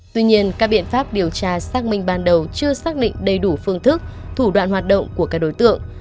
tuy nhiên các biện pháp điều tra xác minh ban đầu chưa xác định đầy đủ phương thức thủ đoạn hoạt động của các đối tượng